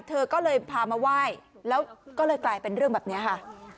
เธอก็เลยพามาไหว้แล้วก็เลยกลายเป็นเรื่องแบบนี้ค่ะ